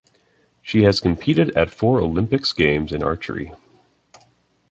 She has competed at four Olympics Games in archery.